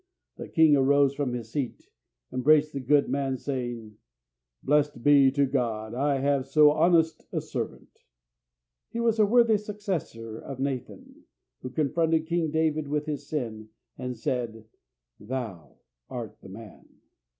The king arose from his seat, embraced the good man, saying, "Blessed be God I have so honest a servant." He was a worthy successor of Nathan, who confronted King David with his sin, and said, "Thou art the man."